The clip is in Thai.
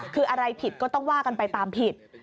คืออะไรผิดก็ต้องว่ากันไปตามผิด